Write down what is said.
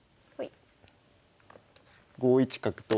５一角と。